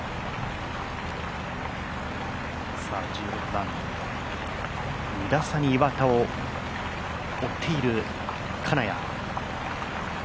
１６番、２打差に岩田を追っている金谷。